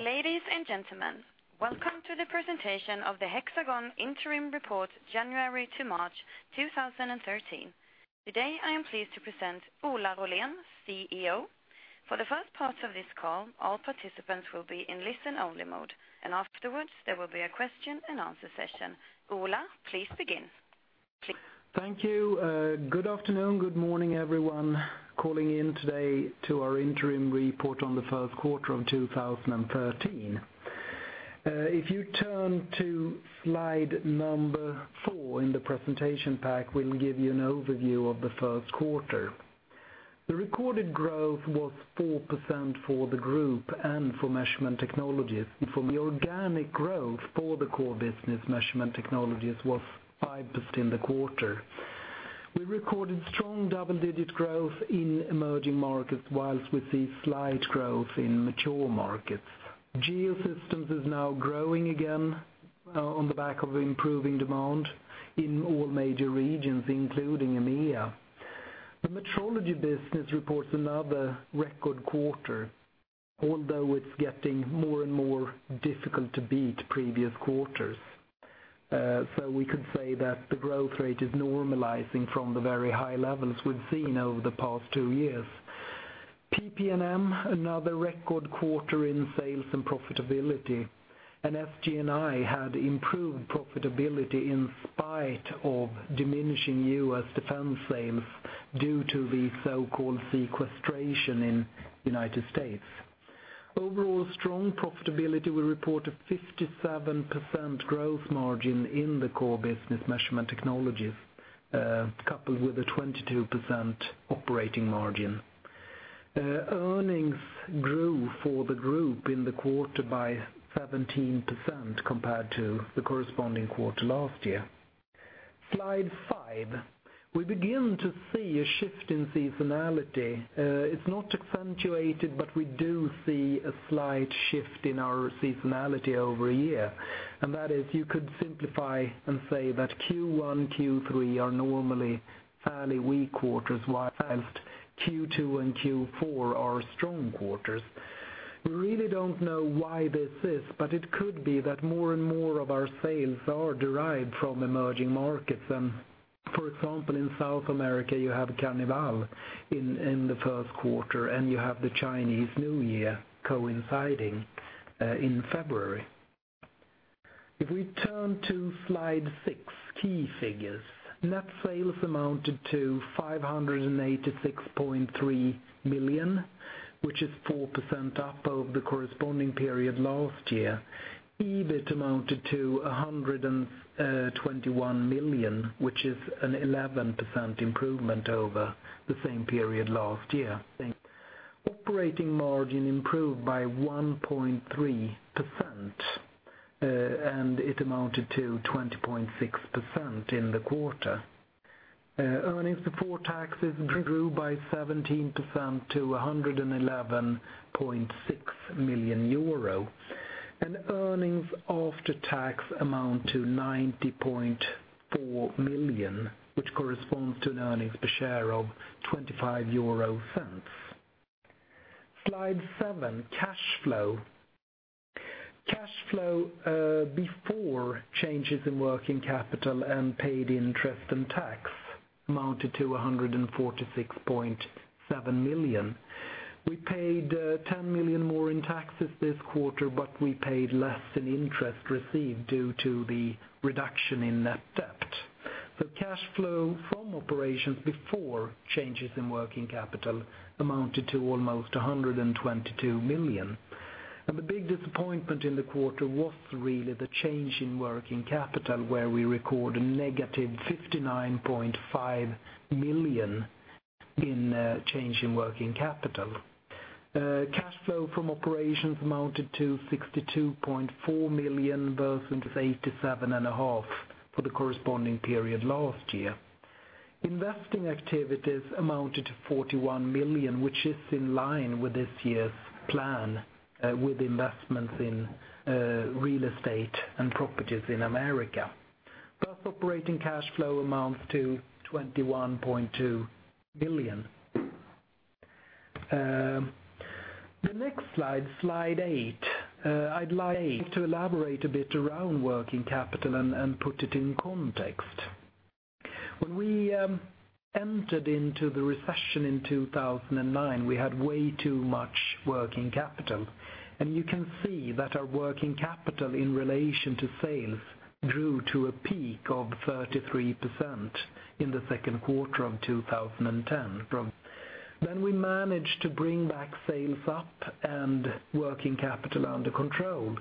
Ladies and gentlemen, welcome to the presentation of the Hexagon interim report, January to March 2013. Today, I am pleased to present Ola Rollén, CEO. For the first part of this call, all participants will be in listen-only mode, and afterwards there will be a question and answer session. Ola, please begin. Thank you. Good afternoon, good morning everyone calling in today to our interim report on the first quarter of 2013. If you turn to slide number four in the presentation pack, we'll give you an overview of the first quarter. The recorded growth was 4% for the group and for Measurement Technologies from the organic growth for the core business, Measurement Technologies was 5% in the quarter. We recorded strong double-digit growth in emerging markets whilst we see slight growth in mature markets. Geosystems is now growing again on the back of improving demand in all major regions, including EMEA. The Metrology business reports another record quarter, although it's getting more and more difficult to beat previous quarters. We could say that the growth rate is normalizing from the very high levels we've seen over the past two years. PP&M, another record quarter in sales and profitability. SG&I had improved profitability in spite of diminishing U.S. defense sales due to the so-called sequestration in United States. Overall strong profitability. We report a 57% gross margin in the core business Measurement Technologies, coupled with a 22% operating margin. Earnings grew for the group in the quarter by 17% compared to the corresponding quarter last year. Slide five. We begin to see a shift in seasonality. It's not accentuated, we do see a slight shift in our seasonality over a year, and that is you could simplify and say that Q1, Q3 are normally fairly weak quarters whilst Q2 and Q4 are strong quarters. We really don't know why this is, it could be that more and more of our sales are derived from emerging markets. For example, in South America you have Carnival in the first quarter and you have the Chinese New Year coinciding in February. If we turn to slide six, key figures. Net sales amounted to 586.3 million, which is 4% up over the corresponding period last year. EBIT amounted to 121 million, which is an 11% improvement over the same period last year. Operating margin improved by 1.3%. It amounted to 20.6% in the quarter. Earnings before taxes grew by 17% to 111.6 million euro, earnings after tax amount to 90.4 million, which corresponds to an earnings per share of €0.25. Slide seven, cash flow. Cash flow, before changes in working capital and paid interest and tax amounted to 146.7 million. We paid 10 million more in taxes this quarter. We paid less in interest received due to the reduction in net debt. Cash flow from operations before changes in working capital amounted to almost 122 million. The big disappointment in the quarter was really the change in working capital where we record a negative 59.5 million in change in working capital. Cash flow from operations amounted to 62.4 million versus 87.5 for the corresponding period last year. Investing activities amounted to 41 million, which is in line with this year's plan, with investments in real estate and properties in America. Plus operating cash flow amounts to 21.2 million. The next slide eight. I'd like to elaborate a bit around working capital and put it in context. When we entered into the recession in 2009, we had way too much working capital. You can see that our working capital in relation to sales grew to a peak of 33% in the second quarter of 2010. We managed to bring back sales up and working capital under control.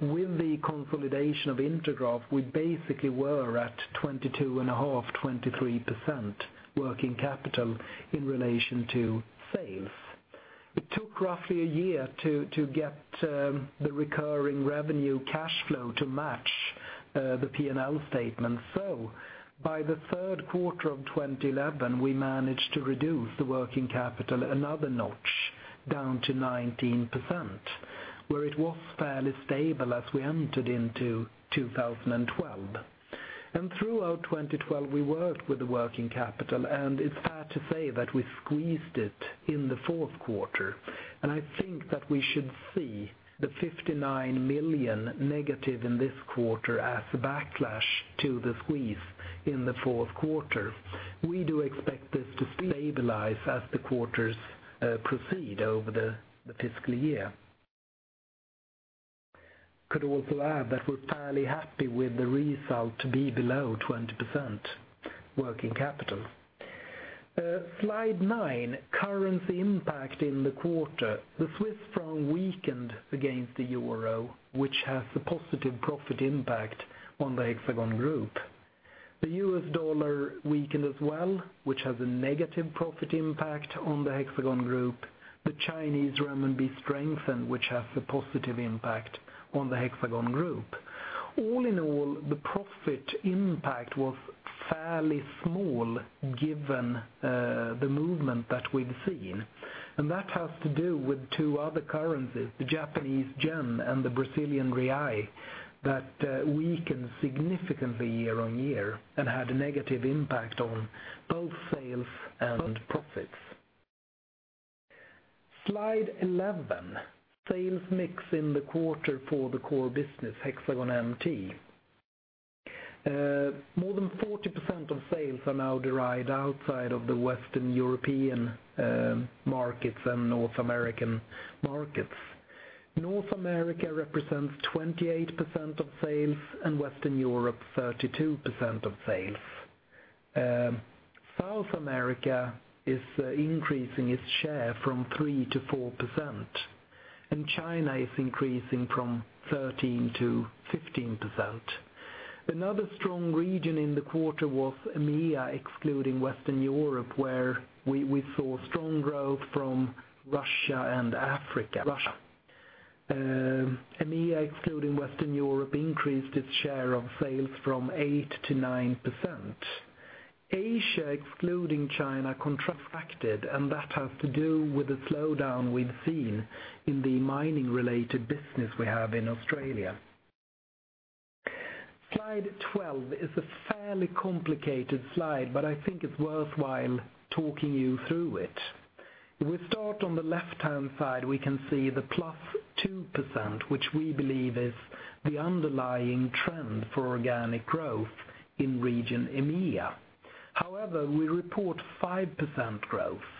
With the consolidation of Intergraph, we basically were at 22.5%-23% working capital in relation to sales. It took roughly a year to get the recurring revenue cash flow to match the P&L statement. By the third quarter of 2011, we managed to reduce the working capital another notch down to 19%, where it was fairly stable as we entered into 2012. Throughout 2012, we worked with the working capital, and it's fair to say that we squeezed it in the fourth quarter. I think that we should see the 59 million negative in this quarter as a backlash to the squeeze in the fourth quarter. We do expect this to stabilize as the quarters proceed over the fiscal year. Could also add that we're fairly happy with the result to be below 20% working capital. Slide nine, currency impact in the quarter. The CHF weakened against the EUR, which has a positive profit impact on the Hexagon Group. The USD weakened as well, which has a negative profit impact on the Hexagon Group. The CNY strengthened, which has a positive impact on the Hexagon Group. All in all, the profit impact was fairly small given the movement that we've seen. That has to do with two other currencies, the JPY and the BRL, that weakened significantly year-over-year and had a negative impact on both sales and profits. Slide 11, sales mix in the quarter for the core business, Hexagon MT. More than 40% of sales are now derived outside of the Western European markets and North American markets. North America represents 28% of sales. Western Europe 32% of sales. South America is increasing its share from 3%-4%. China is increasing from 13%-15%. Another strong region in the quarter was EMEA, excluding Western Europe, where we saw strong growth from Russia and Africa. EMEA, excluding Western Europe, increased its share of sales from 8%-9%. Asia, excluding China, contracted. That has to do with the slowdown we've seen in the mining-related business we have in Australia. Slide 12 is a fairly complicated slide, but I think it is worthwhile talking you through it. If we start on the left-hand side, we can see the +2%, which we believe is the underlying trend for organic growth in region EMEA. However, we report 5% growth,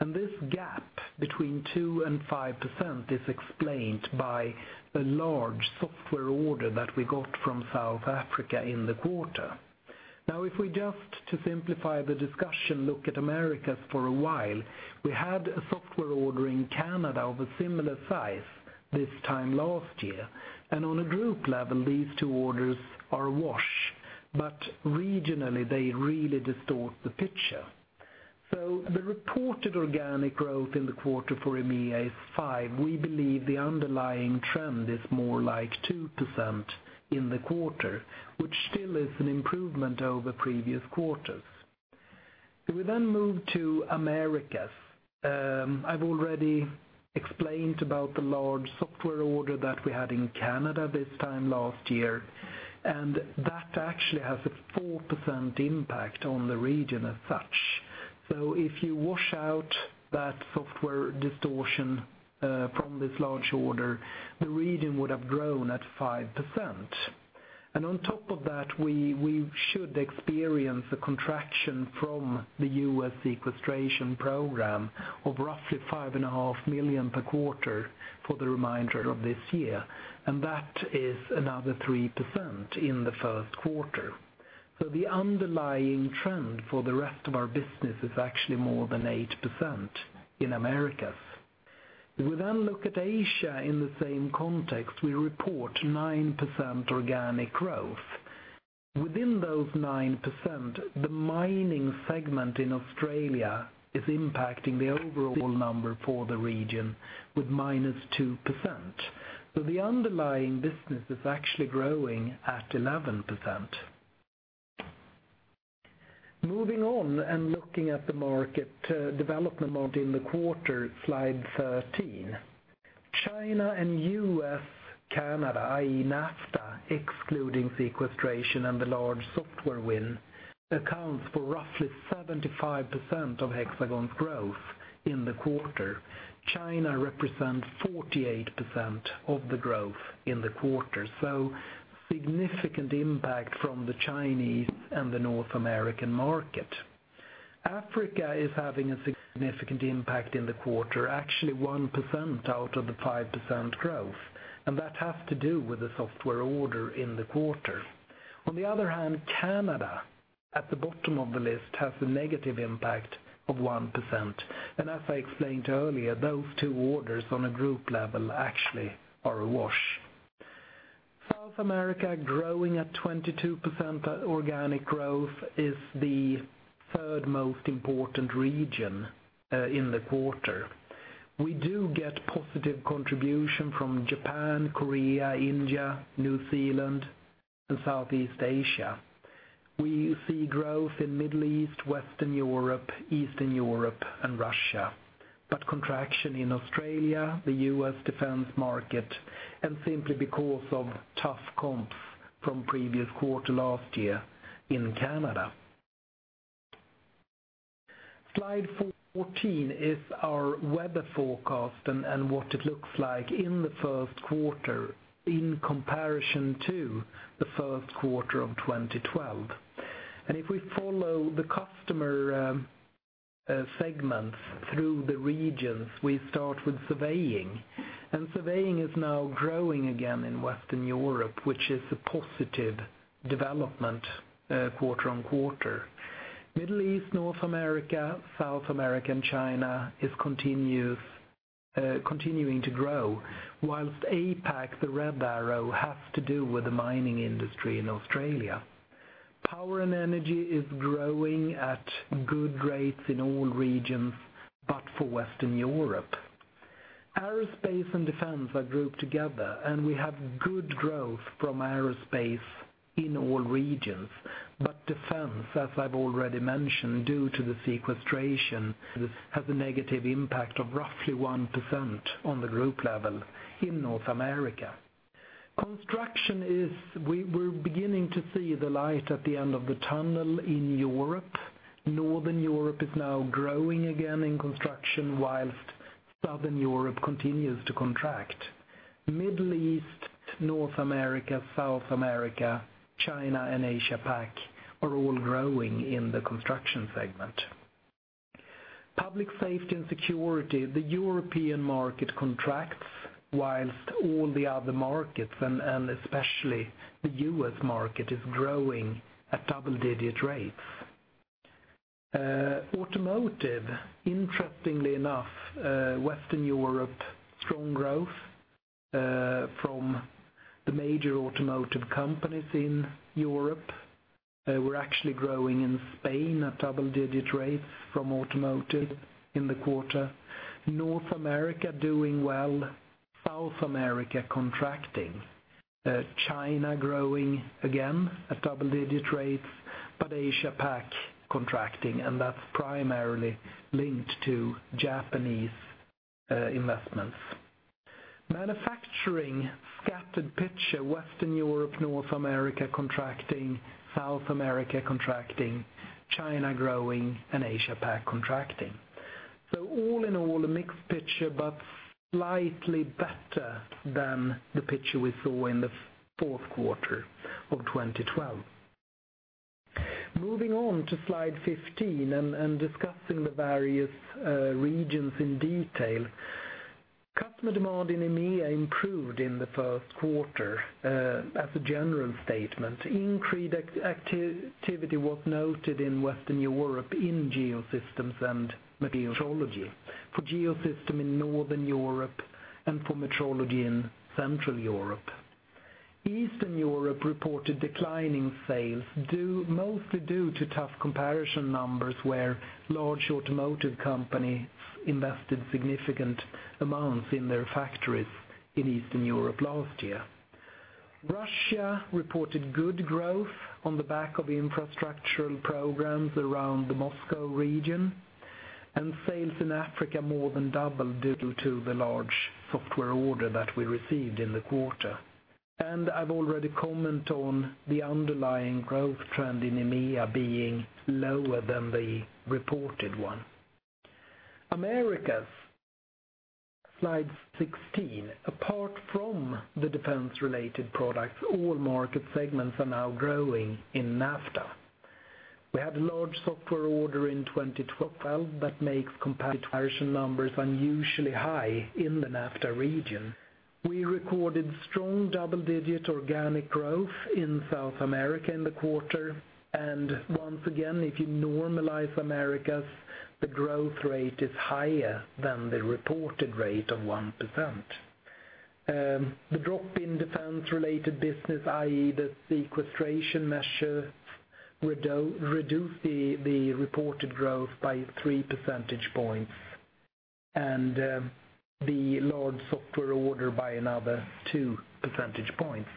and this gap between 2% and 5% is explained by a large software order that we got from South Africa in the quarter. If we, just to simplify the discussion, look at Americas for a while, we had a software order in Canada of a similar size this time last year, and on a group level, these two orders are a wash, but regionally, they really distort the picture. The reported organic growth in the quarter for EMEA is 5%. We believe the underlying trend is more like 2% in the quarter, which still is an improvement over previous quarters. If we then move to Americas, I have already explained about the large software order that we had in Canada this time last year, and that actually has a 4% impact on the region as such. So if you wash out that software distortion from this large order, the region would have grown at 5%. On top of that, we should experience a contraction from the U.S. sequestration program of roughly 5.5 million per quarter for the remainder of this year, and that is another 3% in the first quarter. So the underlying trend for the rest of our business is actually more than 8% in Americas. If we then look at Asia in the same context, we report 9% organic growth. Within those 9%, the mining segment in Australia is impacting the overall number for the region with -2%. The underlying business is actually growing at 11%. Moving on and looking at the market development in the quarter, slide 13. China and U.S., Canada, i.e. NAFTA, excluding sequestration and the large software win, accounts for roughly 75% of Hexagon's growth in the quarter. China represents 48% of the growth in the quarter. So significant impact from the Chinese and the North American market. Africa is having a significant impact in the quarter, actually 1% out of the 5% growth, and that has to do with the software order in the quarter. On the other hand, Canada, at the bottom of the list, has a negative impact of 1%. As I explained earlier, those two orders on a group level actually are a wash. South America growing at 22% organic growth is the third most important region in the quarter. We do get positive contribution from Japan, Korea, India, New Zealand, and Southeast Asia. We see growth in Middle East, Western Europe, Eastern Europe, and Russia, but contraction in Australia, the U.S. defense market, and simply because of tough comps from previous quarter last year in Canada. Slide 14 is our weather forecast and what it looks like in the first quarter in comparison to the first quarter of 2012. If we follow the customer segments through the regions, we start with Surveying. Surveying is now growing again in Western Europe, which is a positive development quarter-on-quarter. Middle East, North America, South America, and China is continuing to grow, whilst APAC, the red arrow, has to do with the mining industry in Australia. Power and Energy is growing at good rates in all regions but for Western Europe. Aerospace and defense are grouped together, and we have good growth from aerospace in all regions. Defense, as I've already mentioned, due to the sequestration, this has a negative impact of roughly 1% on the group level in North America. Construction, we're beginning to see the light at the end of the tunnel in Europe. Northern Europe is now growing again in construction whilst Southern Europe continues to contract. Middle East, North America, South America, China, and Asia PAC are all growing in the construction segment. Public safety and security, the European market contracts whilst all the other markets, and especially the U.S. market, is growing at double-digit rates. Automotive, interestingly enough, Western Europe, strong growth from the major automotive companies in Europe. We're actually growing in Spain at double-digit rates from automotive in the quarter. North America doing well, South America contracting. China growing again at double-digit rates, but Asia PAC contracting, and that's primarily linked to Japanese investments. Manufacturing, scattered picture. Western Europe, North America contracting, South America contracting, China growing, and Asia PAC contracting. All in all, a mixed picture, but slightly better than the picture we saw in the fourth quarter of 2012. Moving on to slide 15 and discussing the various regions in detail. Customer demand in EMEA improved in the first quarter as a general statement. Increased activity was noted in Western Europe in Geosystems and Metrology, for Geosystem in Northern Europe, and for Metrology in Central Europe. Eastern Europe reported declining sales, mostly due to tough comparison numbers where large automotive companies invested significant amounts in their factories in Eastern Europe last year. Russia reported good growth on the back of infrastructural programs around the Moscow region, and sales in Africa more than doubled due to the large software order that we received in the quarter. I've already comment on the underlying growth trend in EMEA being lower than the reported one. Americas, slide 16. Apart from the defense-related products, all market segments are now growing in NAFTA. We had a large software order in 2012 that makes comparison numbers unusually high in the NAFTA region. We recorded strong double-digit organic growth in South America in the quarter. Once again, if you normalize Americas, the growth rate is higher than the reported rate of 1%. The drop in defense-related business, i.e. the sequestration measure, reduced the reported growth by three percentage points, and the large software order by another two percentage points.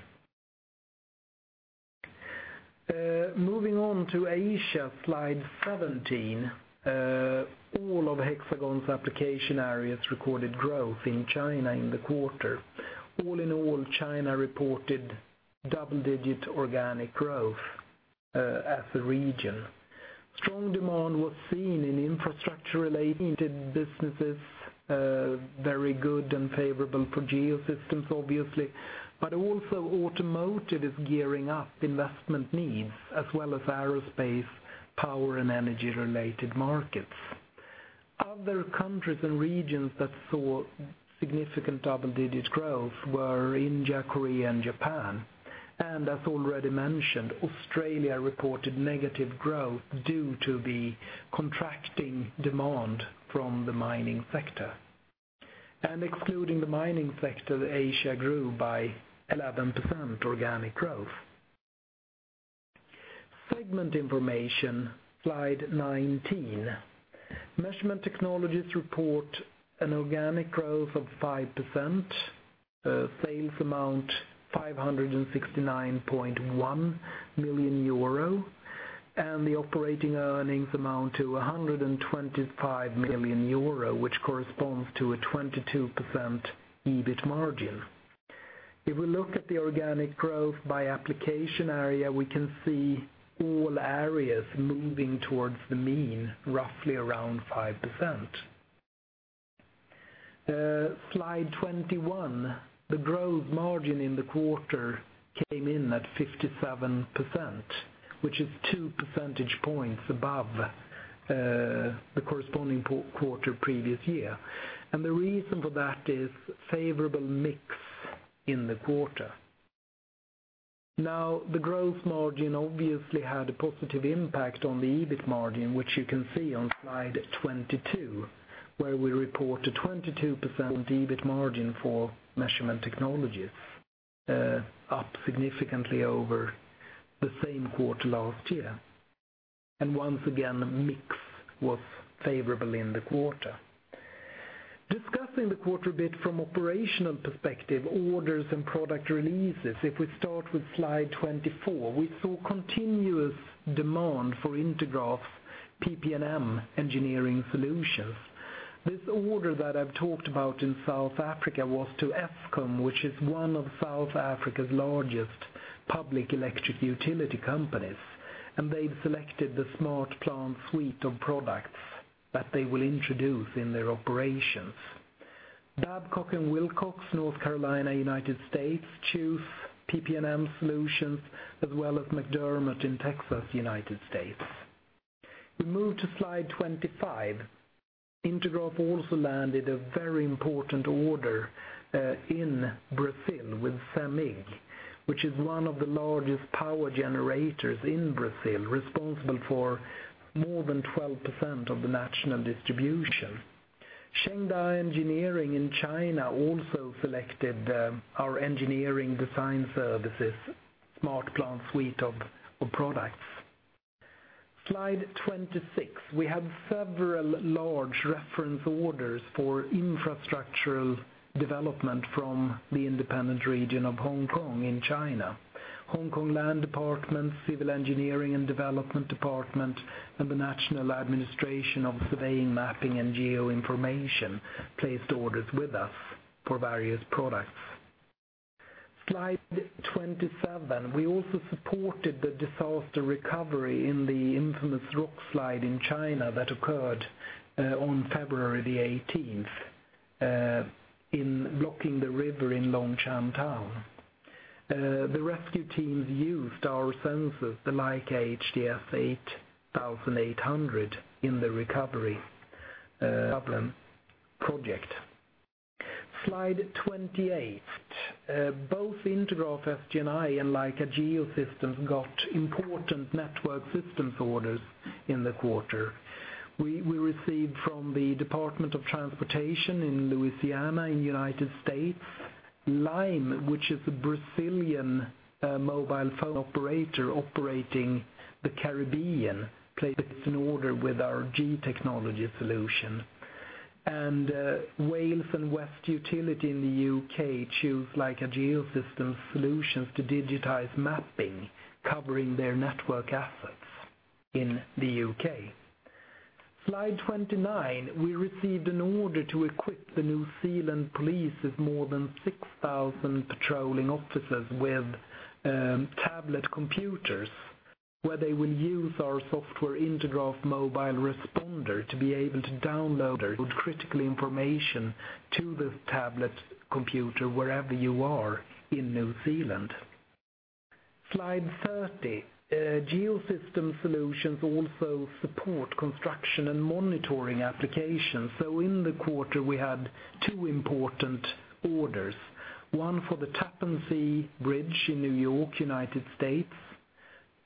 Moving on to Asia, slide 17. All of Hexagon's application areas recorded growth in China in the quarter. All in all, China reported double-digit organic growth as a region. Strong demand was seen in infrastructure-related businesses, very good and favorable for Geosystems, obviously, but also automotive is gearing up investment needs, as well as aerospace, power, and energy-related markets. Other countries and regions that saw significant double-digit growth were India, Korea, and Japan. As already mentioned, Australia reported negative growth due to the contracting demand from the mining sector. Excluding the mining sector, Asia grew by 11% organic growth. Segment information, slide 19. Measurement Technologies report an organic growth of 5%. The sales amount 569.1 million euro, and the operating earnings amount to 125 million euro, which corresponds to a 22% EBIT margin. If we look at the organic growth by application area, we can see all areas moving towards the mean, roughly around 5%. Slide 21, the gross margin in the quarter came in at 57%, which is two percentage points above the corresponding quarter previous year. The reason for that is favorable mix in the quarter. The gross margin obviously had a positive impact on the EBIT margin, which you can see on slide 22, where we report a 22% EBIT margin for Measurement Technologies, up significantly over the same quarter last year. Once again, mix was favorable in the quarter. Discussing the quarter a bit from operational perspective, orders and product releases. We start with slide 24, we saw continuous demand for Intergraph's PPM engineering solutions. This order that I've talked about in South Africa was to Eskom, which is one of South Africa's largest public electric utility companies, and they've selected the SmartPlant suite of products that they will introduce in their operations. Babcock & Wilcox, North Carolina, U.S., chose PPM solutions, as well as McDermott in Texas, U.S. We move to Slide 25. Intergraph also landed a very important order in Brazil with Cemig, which is one of the largest power generators in Brazil, responsible for more than 12% of the national distribution. Shengda Engineering in China also selected our engineering design services, SmartPlant suite of products. Slide 26. We had several large reference orders for infrastructural development from the independent region of Hong Kong in China. Lands Department, Civil Engineering and Development Department, and the National Administration of Surveying, Mapping and Geoinformation placed orders with us for various products. Slide 27. We also supported the disaster recovery in the infamous rock slide in China that occurred on February 18th, blocking the river in Longshan Town. The rescue teams used our sensors, the Leica HDS8800, in the recovery project. Slide 28. Both Intergraph, SG&I, and Leica Geosystems got important network systems orders in the quarter. We received from the Department of Transportation in Louisiana in the U.S. LIME, which is a Brazilian mobile phone operator operating the Caribbean, placed an order with our geotechnology solution. Wales & West Utilities in the U.K. chose Leica Geosystems solutions to digitize mapping, covering their network assets in the U.K. Slide 29. We received an order to equip the New Zealand Police with more than 6,000 patrolling officers with tablet computers, where they will use our software, Intergraph Mobile Responder, to be able to download critical information to the tablet computer wherever you are in New Zealand. Slide 30. Geosystems solutions also support construction and monitoring applications. In the quarter, we had two important orders. One for the Tappan Zee Bridge in New York, U.S.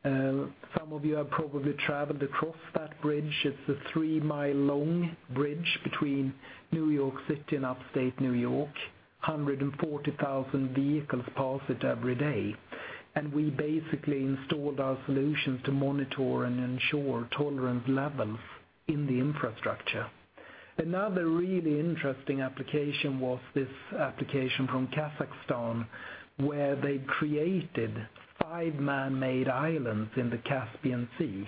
Some of you have probably traveled across that bridge. It's a three-mile long bridge between New York City and Upstate New York, 140,000 vehicles pass it every day. We basically installed our solutions to monitor and ensure tolerance levels in the infrastructure. Another really interesting application was this application from Kazakhstan, where they created five man-made islands in the Caspian Sea.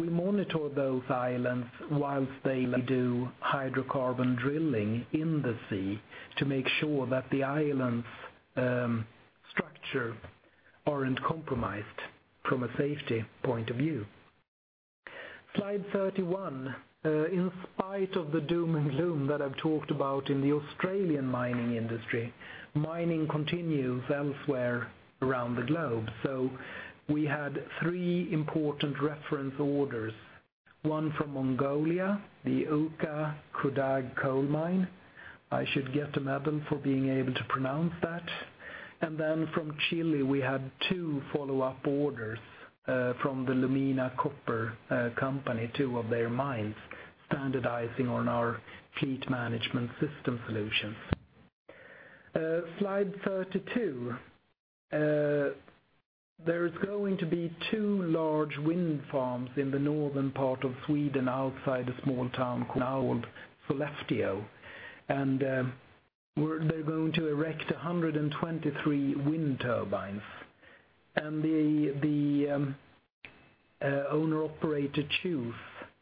We monitor those islands whilst they do hydrocarbon drilling in the sea to make sure that the islands' structure aren't compromised from a safety point of view. Slide 31. In spite of the doom and gloom that I've talked about in the Australian mining industry, mining continues elsewhere around the globe. We had three important reference orders. One from Mongolia, the Ukhaa Khudag Coal Mine. I should get a medal for being able to pronounce that. Then from Chile, we had two follow-up orders from the Lumina Copper company, two of their mines standardizing on our fleet management system solutions. Slide 32. There is going to be two large wind farms in the northern part of Sweden, outside a small town called Sollefteå, and they're going to erect 123 wind turbines. The owner-operator chose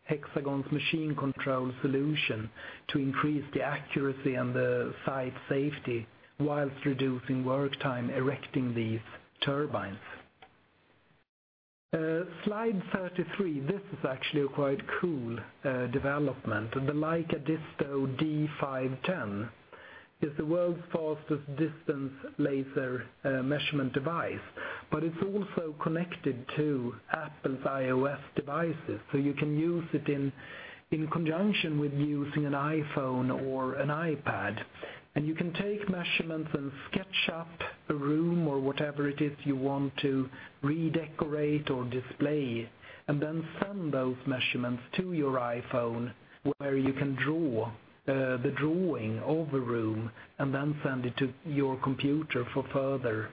Hexagon's machine control solution to increase the accuracy and the site safety whilst reducing work time erecting these turbines. Slide 33. This is actually a quite cool development. The Leica DISTO D510 is the world's fastest distance laser measurement device. It's also connected to Apple's iOS devices, so you can use it in conjunction with using an iPhone or an iPad. You can take measurements and sketch up a room or whatever it is you want to redecorate or display. Then send those measurements to your iPhone where you can draw the drawing of a room. Then send it to your computer for further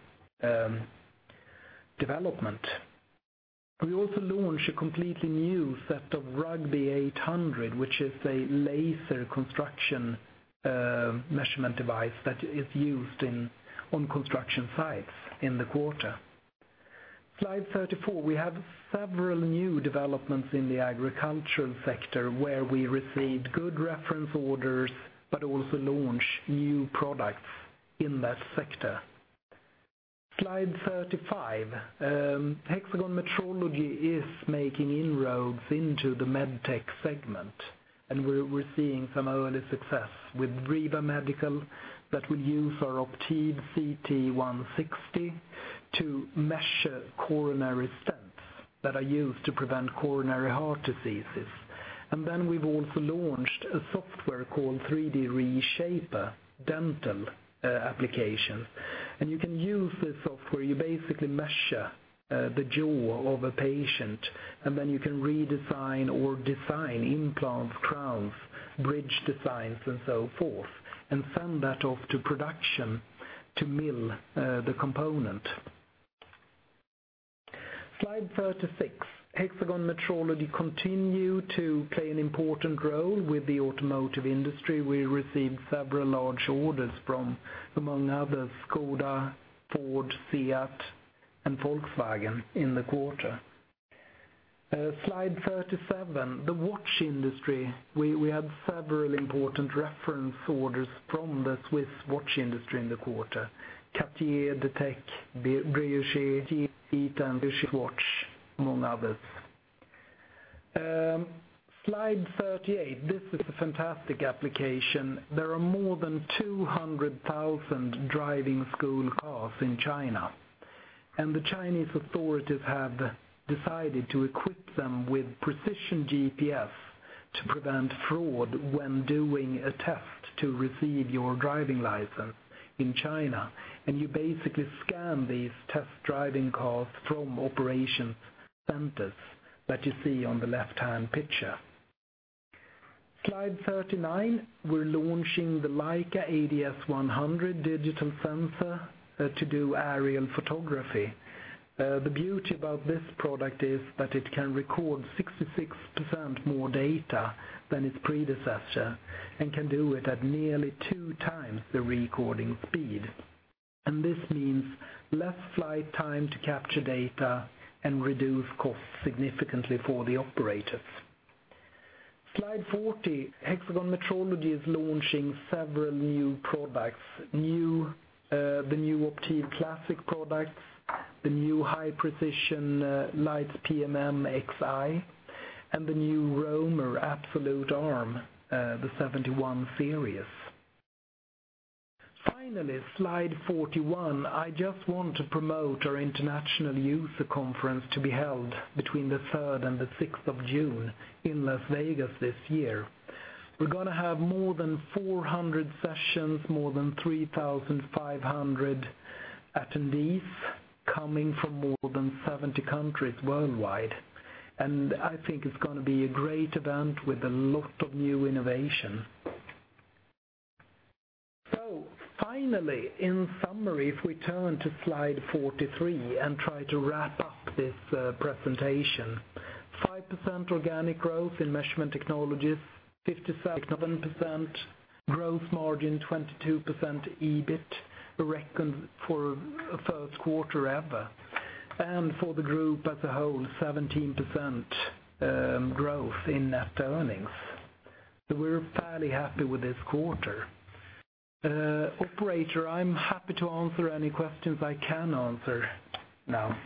development. We also launched a completely new set of Rugby 800, which is a laser construction measurement device that is used on construction sites in the quarter. Slide 34. We have several new developments in the agricultural sector where we received good reference orders. Also launched new products in that sector. Slide 35. Hexagon Metrology is making inroads into the med tech segment. We're seeing some early success with REVA Medical that will use our Optiv CT 160 to measure coronary stents that are used to prevent coronary heart diseases. Then we've also launched a software called 3DReshaper dental application. You can use this software, you basically measure the jaw of a patient. Then you can redesign or design implants, crowns, bridge designs, and so forth, and send that off to production to mill the component. Slide 36. Hexagon Metrology continue to play an important role with the automotive industry. We received several large orders from, among others, Škoda, Ford, SEAT, and Volkswagen in the quarter. Slide 37. The watch industry. We had several important reference orders from the Swiss watch industry in the quarter. Cartier, [Detex], Breitling, Tissot, and Swatch, among others. Slide 38. This is a fantastic application. There are more than 200,000 driving school cars in China. The Chinese authorities have decided to equip them with precision GPS to prevent fraud when doing a test to receive your driving license in China. You basically scan these test driving cars from operation centers that you see on the left-hand picture. Slide 39. We're launching the Leica ADS100 digital sensor to do aerial photography. The beauty about this product is that it can record 66% more data than its predecessor. Can do it at nearly two times the recording speed. This means less flight time to capture data and reduce costs significantly for the operators. Slide 40. Hexagon Metrology is launching several new products, the new Optiv Classic products, the new high-precision Leitz PMM-Xi, and the new ROMER Absolute Arm, the 71 Series. Finally, slide 41. I just want to promote our international user conference to be held between the 3rd and the 6th of June in Las Vegas this year. We're going to have more than 400 sessions, more than 3,500 attendees coming from more than 70 countries worldwide. I think it's going to be a great event with a lot of new innovation. Finally, in summary, if we turn to slide 43 and try to wrap up this presentation, 5% organic growth in Measurement Technologies, 57% gross margin, 22% EBIT, a record for a first quarter ever. For the group as a whole, 17% growth in net earnings. We're fairly happy with this quarter. Operator, I'm happy to answer any questions I can answer now.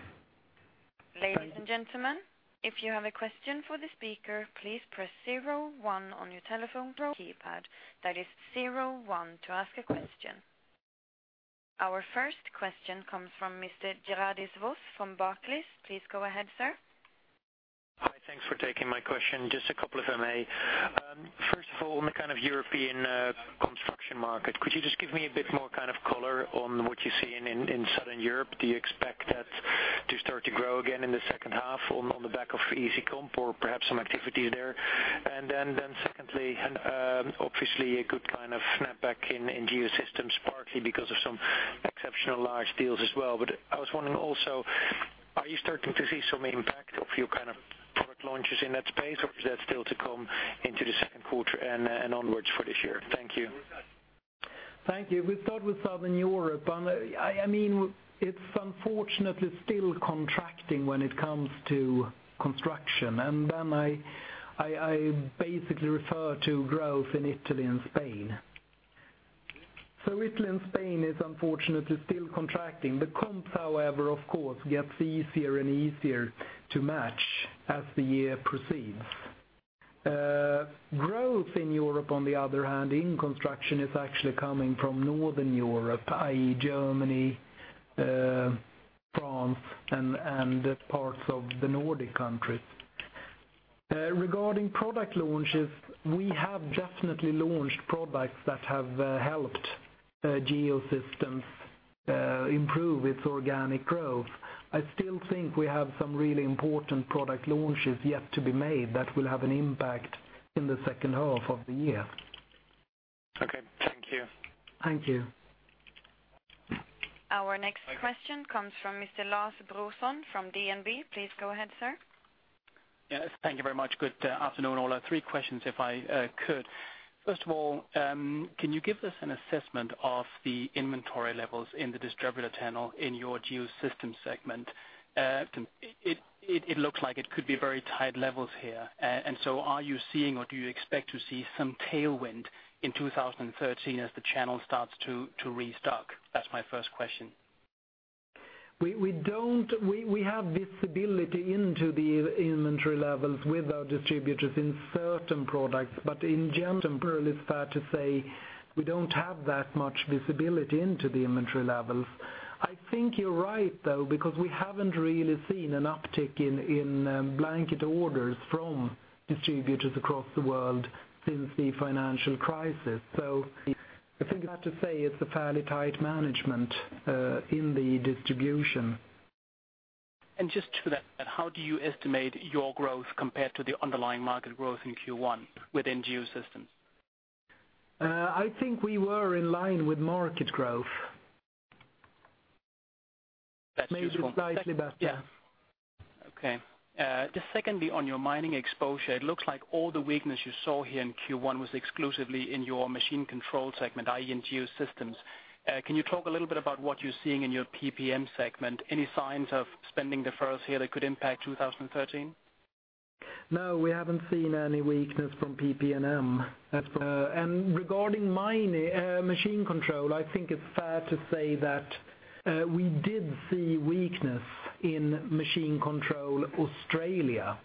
Ladies and gentlemen, if you have a question for the speaker, please press 01 on your telephone keypad. That is 01 to ask a question. Our first question comes from Mr. Gerardus Vos from Barclays. Please go ahead, sir. Hi. Thanks for taking my question. Just a couple of them. First of all, on the kind of European construction market, could you just give me a bit more kind of color on what you see in Southern Europe? Do you expect that to start to grow again in the second half on the back of easy comp or perhaps some activity there. Secondly, obviously a good kind of snapback in Geosystems, partly because of some exceptional large deals as well. I was wondering also, are you starting to see some impact of your product launches in that space, or is that still to come into the second quarter and onwards for this year? Thank you. Thank you. We start with Southern Europe, it's unfortunately still contracting when it comes to construction. I basically refer to growth in Italy and Spain. Italy and Spain is unfortunately still contracting. The comps, however, of course, gets easier and easier to match as the year proceeds. Growth in Europe, on the other hand, in construction is actually coming from Northern Europe, i.e., Germany, France, and parts of the Nordic countries. Regarding product launches, we have definitely launched products that have helped Geosystems improve its organic growth. I still think we have some really important product launches yet to be made that will have an impact in the second half of the year. Okay. Thank you. Thank you. Our next question comes from Mr. Lars Brorson from DNB. Please go ahead, sir. Yes, thank you very much. Good afternoon, Ola. Three questions if I could. First of all, can you give us an assessment of the inventory levels in the distributor channel in your Geosystems segment? It looks like it could be very tight levels here. Are you seeing or do you expect to see some tailwind in 2013 as the channel starts to restock? That's my first question. We have visibility into the inventory levels with our distributors in certain products, but in general, it's fair to say we don't have that much visibility into the inventory levels. I think you're right, though, because we haven't really seen an uptick in blanket orders from distributors across the world since the financial crisis. I think it's fair to say it's a fairly tight management in the distribution. Just to that, how do you estimate your growth compared to the underlying market growth in Q1 within Geosystems? I think we were in line with market growth. That's useful. Maybe slightly better. Yeah. Okay. Secondly, on your mining exposure, it looks like all the weakness you saw here in Q1 was exclusively in your Machine Control segment, i.e., in Geosystems. Can you talk a little bit about what you're seeing in your PPM segment? Any signs of spending deferrals here that could impact 2013? No, we haven't seen any weakness from PPM. Regarding Machine Control, I think it's fair to say that we did see weakness in Machine Control Australia,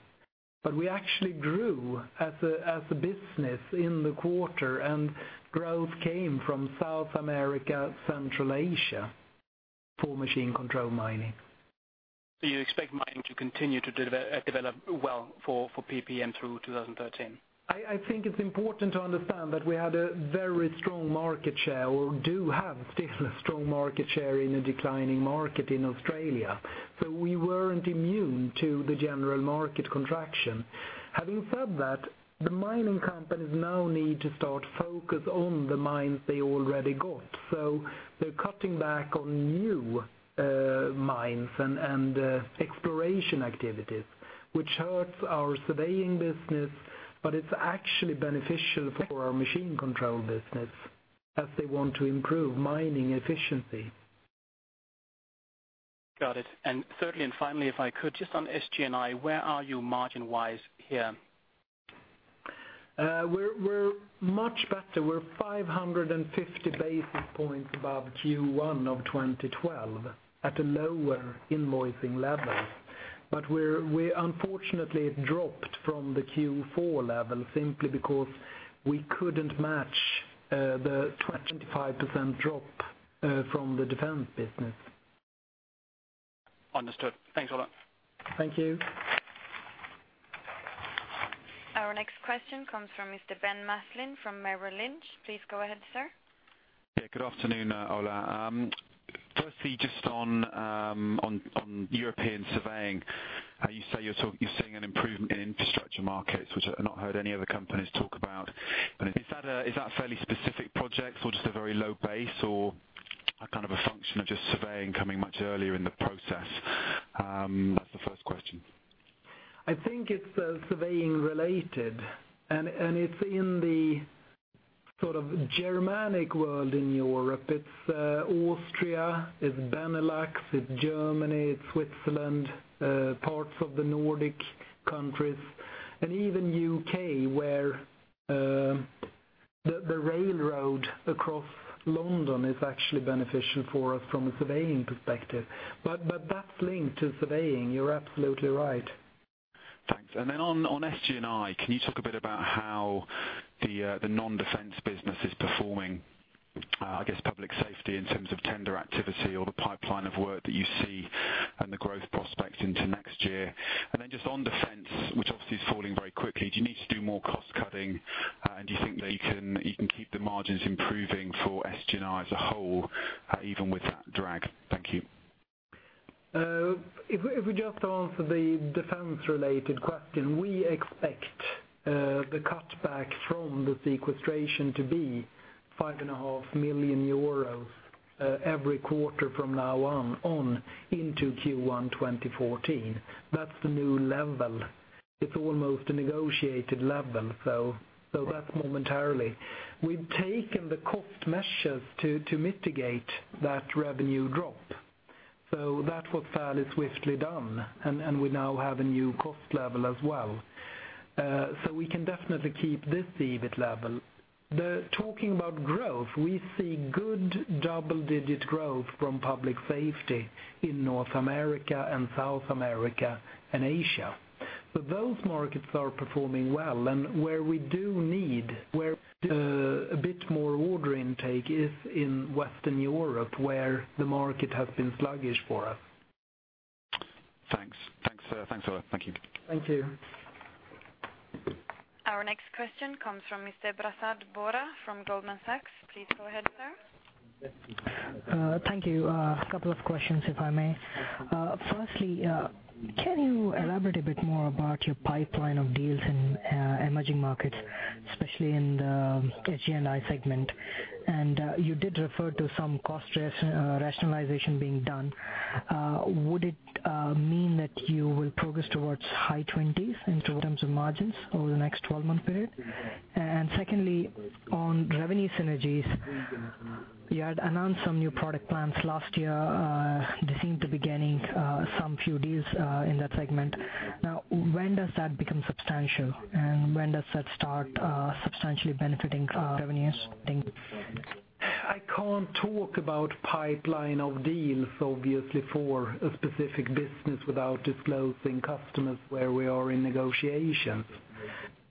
but we actually grew as a business in the quarter, and growth came from South America, Central Asia, for Machine Control mining. You expect mining to continue to develop well for PPM through 2013? I think it's important to understand that we had a very strong market share or do have still a strong market share in a declining market in Australia. We weren't immune to the general market contraction. Having said that, the mining companies now need to start focus on the mines they already got. They're cutting back on new mines and exploration activities, which hurts our surveying business, but it's actually beneficial for our Machine Control business as they want to improve mining efficiency. Got it. Thirdly and finally, if I could, just on SG&I, where are you margin-wise here? We're much better. We're 550 basis points above Q1 of 2012 at a lower invoicing level. We unfortunately dropped from the Q4 level simply because we couldn't match the 25% drop from the defense business. Understood. Thanks a lot. Thank you. Our next question comes from Mr. Ben Maslen from Merrill Lynch. Please go ahead, sir. Yeah, good afternoon, Ola. Firstly, just on European surveying, you say you're seeing an improvement in infrastructure markets, which I've not heard any other companies talk about. Is that a fairly specific project or just a very low base or a kind of a function of just surveying coming much earlier in the process? That's the first question. It's in the sort of Germanic world in Europe. It's Austria, it's Benelux, it's Germany, it's Switzerland, parts of the Nordic countries, and even U.K., where the railroad across London is actually beneficial for us from a surveying perspective. That's linked to surveying, you're absolutely right. Thanks. On SG&I, can you talk a bit about how the non-defense business is performing? I guess public safety in terms of tender activity or the pipeline of work that you see and the growth prospects in due course next year, then just on defense, which obviously is falling very quickly, do you need to do more cost-cutting? Do you think that you can keep the margins improving for SG&I as a whole, even with that drag? Thank you. If we just answer the defense-related question, we expect the cutback from the sequestration to be 5.5 million euros every quarter from now on into Q1 2014. That's the new level. It's almost a negotiated level. That's momentarily. We've taken the cost measures to mitigate that revenue drop. That was fairly swiftly done, and we now have a new cost level as well. We can definitely keep this EBIT level. Talking about growth, we see good double-digit growth from public safety in North America and South America and Asia. Those markets are performing well. Where we do need a bit more order intake is in Western Europe, where the market has been sluggish for us. Thanks, Ola. Thank you. Thank you. Our next question comes from Mr. Prasad Borra from Goldman Sachs. Please go ahead, sir. Thank you. A couple of questions, if I may. Firstly, can you elaborate a bit more about your pipeline of deals in emerging markets, especially in the SG&I segment? You did refer to some cost rationalization being done. Would it mean that you will progress towards high 20s in terms of margins over the next 12-month period? Secondly, on revenue synergies, you had announced some new product plans last year. They seem to be gaining some few deals in that segment. Now, when does that become substantial, and when does that start substantially benefiting from revenues? Thank you. I can't talk about pipeline of deals, obviously, for a specific business without disclosing customers where we are in negotiations.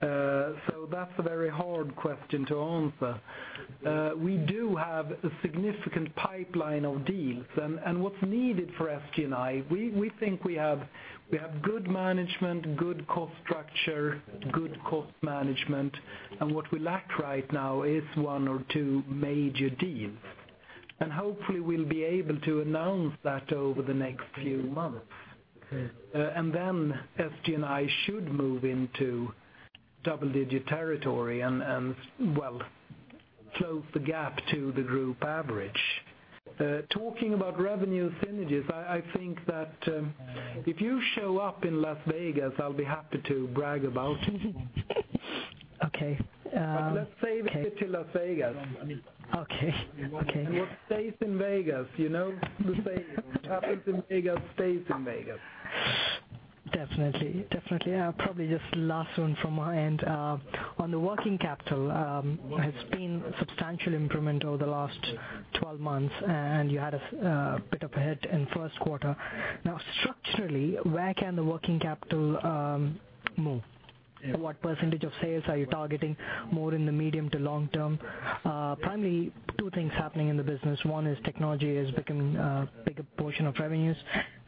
That's a very hard question to answer. We do have a significant pipeline of deals. What's needed for SG&I, we think we have good management, good cost structure, good cost management, and what we lack right now is one or two major deals. Hopefully we'll be able to announce that over the next few months. Okay. Then SG&I should move into double-digit territory and close the gap to the group average. Talking about revenue synergies, I think that if you show up in Las Vegas, I'll be happy to brag about it. Okay. Let's save it till Las Vegas. Okay. What stays in Vegas, you know the saying. What happens in Vegas stays in Vegas. Definitely. Probably just last one from my end. On the working capital, has been a substantial improvement over the last 12 months, and you had a bit of a hit in first quarter. Structurally, where can the working capital move? What % of sales are you targeting more in the medium to long term? Primarily two things happening in the business. One is technology is becoming a bigger portion of revenues,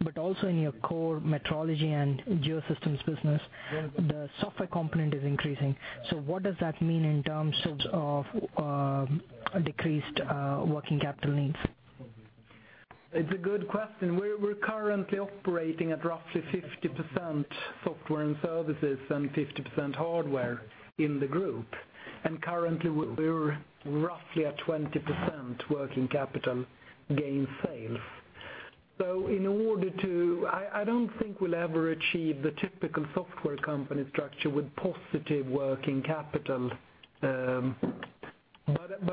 but also in your core Metrology and Geosystems business, the software component is increasing. What does that mean in terms of decreased working capital needs? It's a good question. We're currently operating at roughly 50% software and services and 50% hardware in the group. Currently we're roughly at 20% working capital gain sales. I don't think we'll ever achieve the typical software company structure with positive working capital.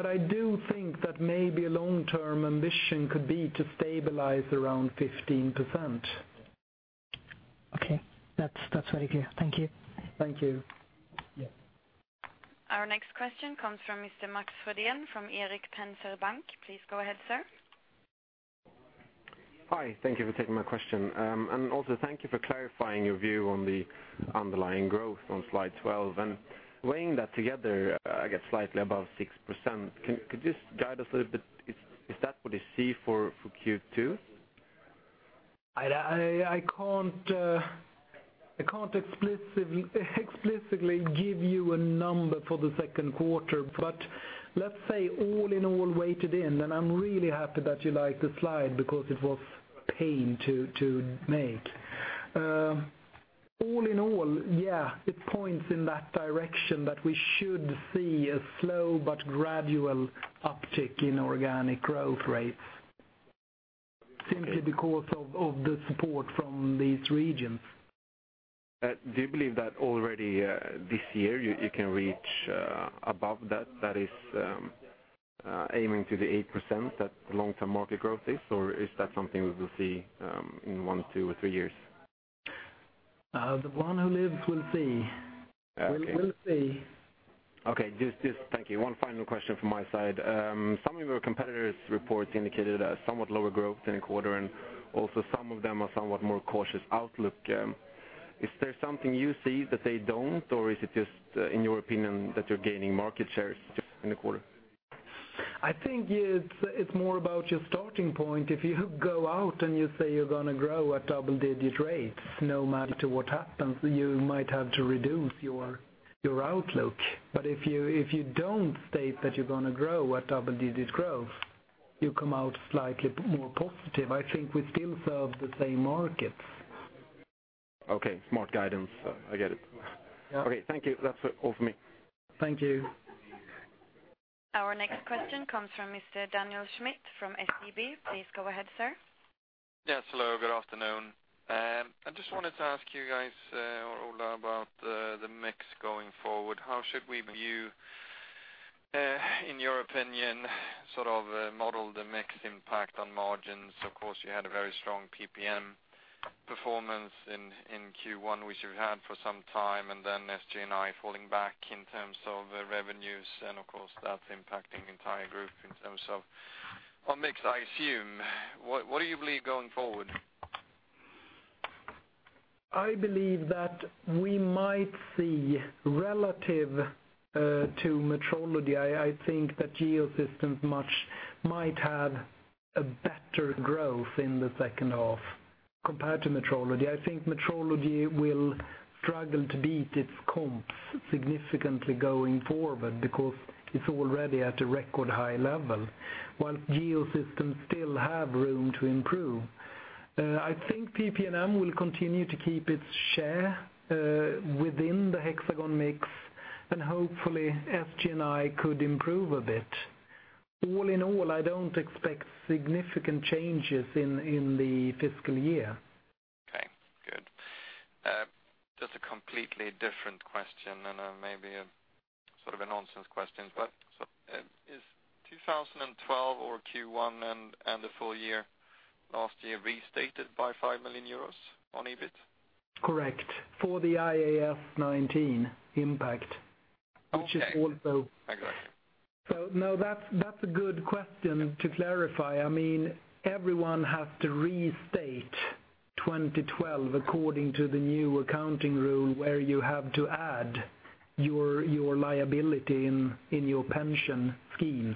I do think that maybe a long-term ambition could be to stabilize around 15%. Okay. That's very clear. Thank you. Thank you. Our next question comes from Mr. Max Frydén from Erik Penser Bank. Please go ahead, sir. Hi. Thank you for taking my question. Also thank you for clarifying your view on the underlying growth on slide 12, and weighing that together, I guess slightly above 6%. Could you just guide us a little bit, is that what you see for Q2? I can't explicitly give you a number for the second quarter, but let's say all in all weighted in, and I'm really happy that you like the slide because it was pain to make. All in all, it points in that direction that we should see a slow but gradual uptick in organic growth rates. Okay. Simply because of the support from these regions. Do you believe that already this year you can reach above that? That is, aiming to the 8% that long-term market growth is? Is that something we will see in one, two, or three years? The one who lives will see. Okay. We'll see. Okay. Thank you. One final question from my side. Some of your competitors' reports indicated a somewhat lower growth in the quarter, and also some of them are somewhat more cautious outlook. Is there something you see that they don't, or is it just, in your opinion, that you're gaining market shares just in the quarter? I think it's more about your starting point. If you go out and you say you're going to grow at double-digit rates, no matter what happens, you might have to reduce your outlook. If you don't state that you're going to grow at double-digit growth, you come out slightly more positive. I think we still serve the same markets. Okay. Smart guidance. I get it. Yeah. Okay. Thank you. That's all from me. Thank you. Our next question comes from Mr. Daniel Schmidt from SEB. Please go ahead, sir. Yes, hello. Good afternoon. I just wanted to ask you guys, or Ola, about the mix going forward. How should we view, in your opinion, model the mix impact on margins? Of course, you had a very strong PPM performance in Q1, which you've had for some time, and then SG&I falling back in terms of revenues, and of course, that's impacting the entire group in terms of our mix, I assume. What do you believe going forward? I believe that we might see, relative to Metrology, I think that Geosystems might have a better growth in the second half compared to Metrology. I think Metrology will struggle to beat its comps significantly going forward because it's already at a record high level, while Geosystems still have room to improve. I think PPM will continue to keep its share within the Hexagon mix, and hopefully SG&I could improve a bit. All in all, I don't expect significant changes in the fiscal year. Okay, good. Just a completely different question, and maybe sort of a nonsense question, but is 2012 or Q1 and the full year last year restated by 5 million euros on EBIT? Correct. For the IAS 19 impact, which is also. Okay. I got it. No, that's a good question to clarify. Everyone has to restate 2012 according to the new accounting rule, where you have to add your liability in your pension schemes.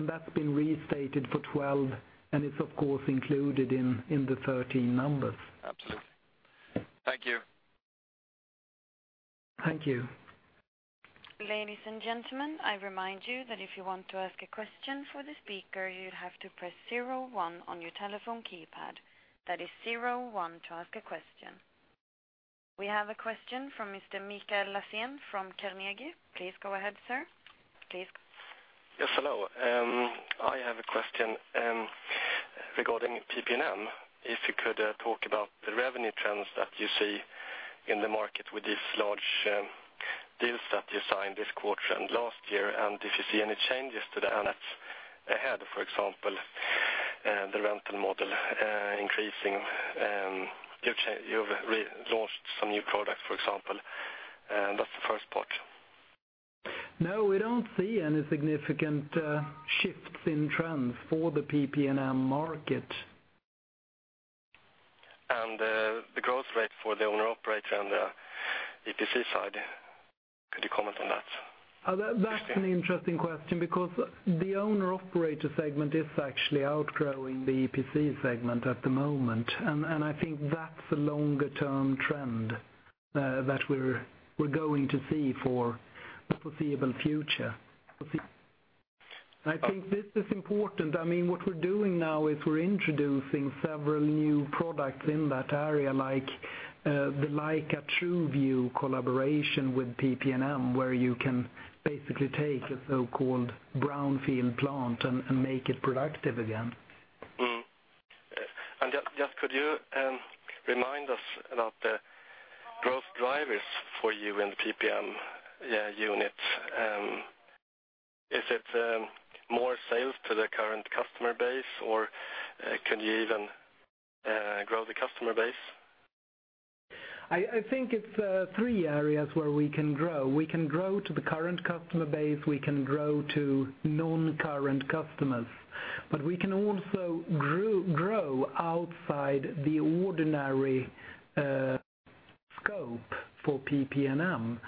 That's been restated for 2012, and it's of course included in the 2013 numbers. Absolutely. Thank you. Thank you. Ladies and gentlemen, I remind you that if you want to ask a question for the speaker, you have to press 01 on your telephone keypad. That is 01 to ask a question. We have a question from Mr. Mikael Laséen from Carnegie. Please go ahead, sir. Please. Yes, hello. I have a question regarding PPM. If you could talk about the revenue trends that you see in the market with these large deals that you signed this quarter and last year, if you see any changes to the assets ahead, for example, the rental model increasing. You've relaunched some new products, for example. That's the first part. No, we don't see any significant shifts in trends for the PPM market. The growth rate for the owner operator on the EPC side, could you comment on that? That's an interesting question because the owner operator segment is actually outgrowing the EPC segment at the moment. I think that's a longer-term trend that we're going to see for the foreseeable future. I think this is important. What we're doing now is we're introducing several new products in that area, like the Leica TruView collaboration with PPM, where you can basically take a so-called brownfield plant and make it productive again. Could you remind us about the growth drivers for you in the PPM unit? Is it more sales to the current customer base, or can you even grow the customer base? I think it's three areas where we can grow. We can grow to the current customer base, we can grow to non-current customers, but we can also grow outside the ordinary scope for PPM.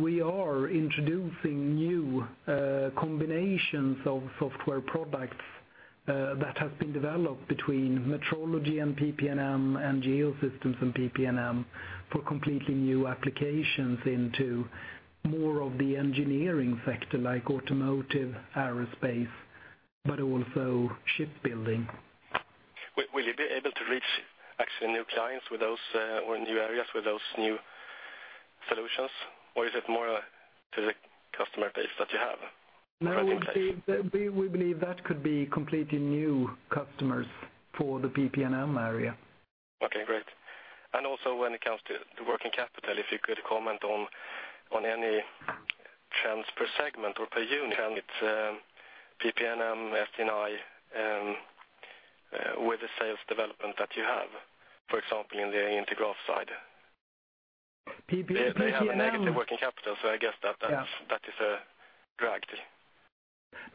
We are introducing new combinations of software products that have been developed between Metrology and PPM, and Geosystems and PPM, for completely new applications into more of the engineering sector, like automotive, aerospace, but also shipbuilding. Will you be able to reach actually new clients with those, or new areas with those new solutions? Is it more to the customer base that you have? No, we believe that could be completely new customers for the PPM area. Okay, great. Also when it comes to the working capital, if you could comment on any trends per segment or per unit, PPM, SG&I, with the sales development that you have, for example, in the Intergraph side. PPM- They have a negative working capital, I guess that is a drag too.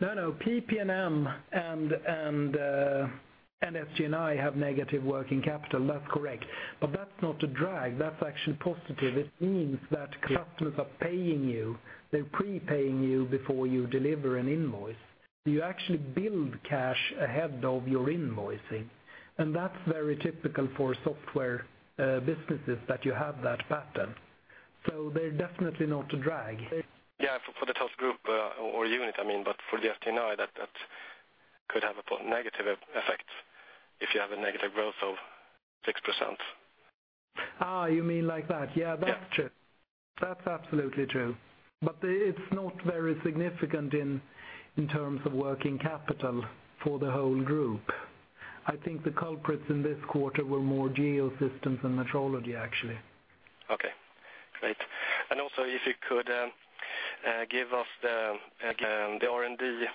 No, PPM and SG&I have negative working capital. That's correct. That's not a drag, that's actually positive. It means that customers are paying you, they're prepaying you before you deliver an invoice. You actually build cash ahead of your invoicing, that's very typical for software businesses that you have that pattern. They're definitely not a drag. Yeah, for the toss group or unit, for the SG&I, that could have a negative effect if you have a negative growth of 6%. You mean like that? Yeah, that's true. Yeah. That's absolutely true. It's not very significant in terms of working capital for the whole group. I think the culprits in this quarter were more Geosystems than Metrology, actually. Okay, great. Also if you could give us the R&D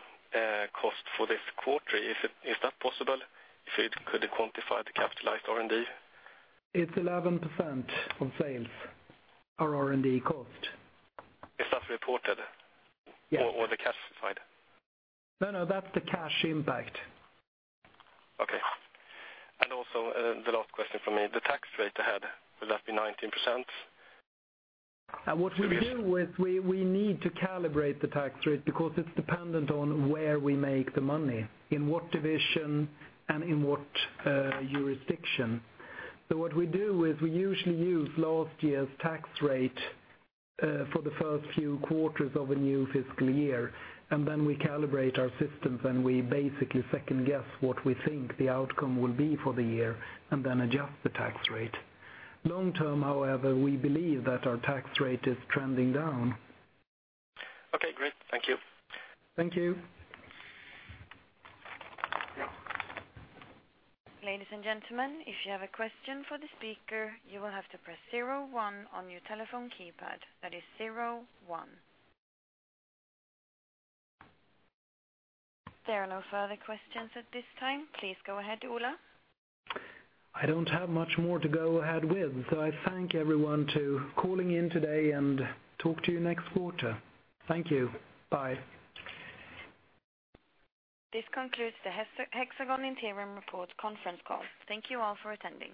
cost for this quarter, is that possible? If you could quantify the capitalized R&D. It's 11% of sales are R&D cost. Is that reported? Yes. The cash side? No, that's the cash impact. Okay. Also, the last question from me, the tax rate ahead, will that be 19%? What we do is we need to calibrate the tax rate because it's dependent on where we make the money, in what division and in what jurisdiction. What we do is we usually use last year's tax rate for the first few quarters of a new fiscal year, and then we calibrate our systems and we basically second-guess what we think the outcome will be for the year and then adjust the tax rate. Long term, however, we believe that our tax rate is trending down. Okay, great. Thank you. Thank you. Ladies and gentlemen, if you have a question for the speaker, you will have to press zero one on your telephone keypad. That is zero one. There are no further questions at this time. Please go ahead, Ola. I don't have much more to go ahead with, so I thank everyone to calling in today and talk to you next quarter. Thank you. Bye. This concludes the Hexagon Interim Report conference call. Thank you all for attending.